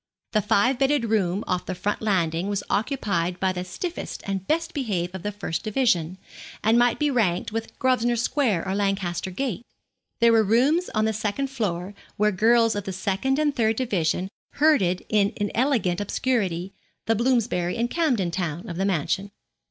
The five bedded room off the front landing was occupied by the stiffest and best behaved of the first division, and might be ranked with Grosvenor Square or Lancaster Gate. There were rooms on the second floor where girls of the second and third division herded in inelegant obscurity, the Bloomsbury and Camden Town of the mansion.